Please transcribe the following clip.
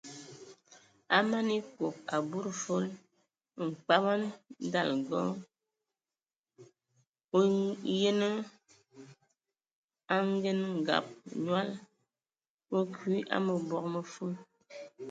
A man ekob a budi fol, mkpamag ndaləga o ngənə angəngab nyɔl,o akwi a məkug mə fol.